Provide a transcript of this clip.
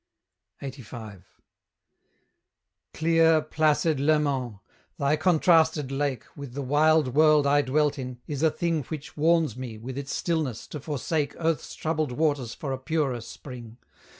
LXXXV. Clear, placid Leman! thy contrasted lake, With the wild world I dwelt in, is a thing Which warns me, with its stillness, to forsake Earth's troubled waters for a purer spring.